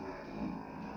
kabur lagi kejar kejar kejar